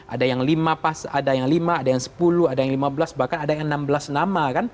ada yang lima pas ada yang lima ada yang sepuluh ada yang lima belas bahkan ada yang enam belas nama kan